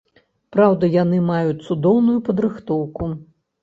Праўда, яны маюць цудоўную падрыхтоўку.